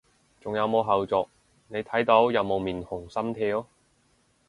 仲有冇後續，你睇到有冇面紅心跳？